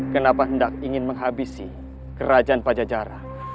kenapa hendak ingin menghabisi kerajaan pajajaran